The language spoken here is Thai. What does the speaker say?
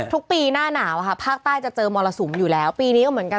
ทุกปีหน้าหนาวอะค่ะภาคใต้จะเจอมรสุมอยู่แล้วปีนี้ก็เหมือนกัน